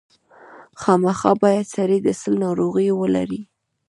خامخا باید سړی د سِل ناروغي ولري.